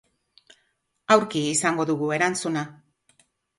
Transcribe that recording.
Aurki izango dugu erantzuna.